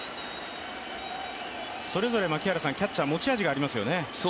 それぞれキャッチャー、持ち味がありますよね。